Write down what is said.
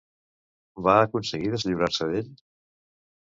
Va aconseguir deslliurar-se d'ell?